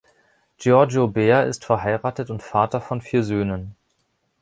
Giorgio Behr ist verheiratet und Vater von vier Söhnen.